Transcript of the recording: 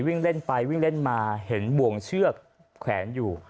วิ่งเล่นไปวิ่งเล่นมาเห็นบ่วงเชือกแขวนอยู่